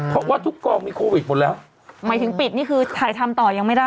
เพราะว่าทุกกองมีโควิดหมดแล้วหมายถึงปิดนี่คือถ่ายทำต่อยังไม่ได้